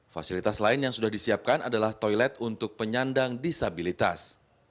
fasilitas lain yang sudah disiapkan adalah toilet untuk penyandang disabilitas